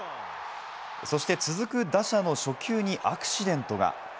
そして続く打者の初球にアクシデントが。